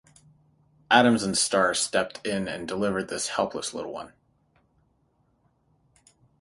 Addams and Starr stepped in and delivered this helpless little one.